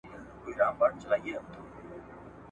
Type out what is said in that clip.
نه قوت یې د دښمن وو آزمېیلی ,